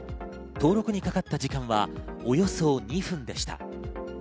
登録にかかった時間は、およそ２分でした。